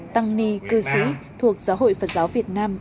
tăng ni cư sĩ thuộc giáo hội phật giáo việt nam